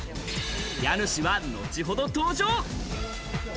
家主は後ほど登場。